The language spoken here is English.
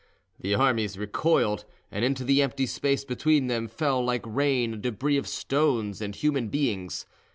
The armies recoiled, and into the empty space between them fell like rain a debris of stones and human beings.